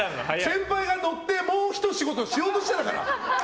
先輩が乗って、もうひと仕事しようとしてたから！